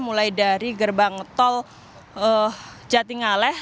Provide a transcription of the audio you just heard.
mulai dari gerbang tol jatinggaleh